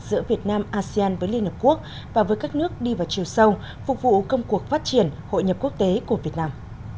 giữa việt nam asean với liên hợp quốc và với các nước đi vào chiều sâu phục vụ công cuộc phát triển hội nhập quốc tế của việt nam